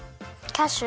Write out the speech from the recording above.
キッシュ！